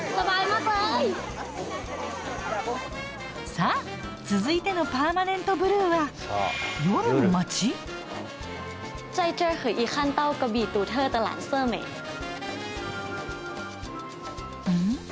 さあ続いてのパーマネントブルーはん？